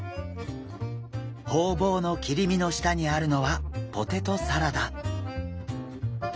ホウボウの切り身の下にあるのはポテトサラダ。